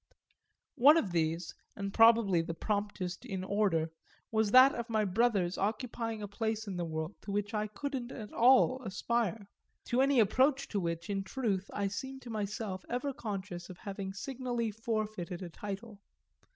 One of these, and probably the promptest in order, was that of my brother's occupying a place in the world to which I couldn't at all aspire to any approach to which in truth I seem to myself ever conscious of having signally forfeited a title.